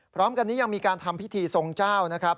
พร้อมกันนี้ยังมีการทำพิธีทรงเจ้านะครับ